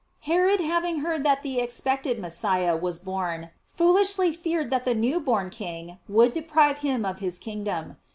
Herod having heard that the expected Messiah was born, foolishly feared that the new born King would deprive him of his kingdom.